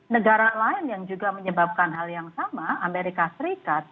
negara lain yang juga menyebabkan hal yang sama amerika serikat